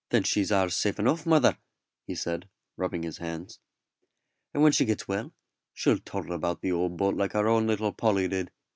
"Then she's ours safe enough, mother," he said, rubbing his hands, "and when she gets well she'll toddle about the old boat like our own little Polly did."